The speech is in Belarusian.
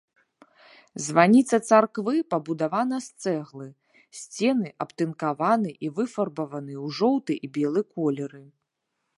Званіца царквы пабудавана з цэглы, сцены абтынкаваны і выфарбаваны ў жоўты і белы колеры.